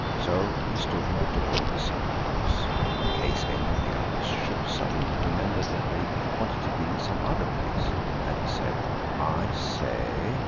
So he stood in the door of the summer house, in case any of the others should suddenly remember that they wanted to be in some other place. And he said– "I say.